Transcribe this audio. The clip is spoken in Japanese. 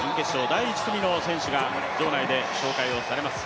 第１組の選手が場内で紹介をされます。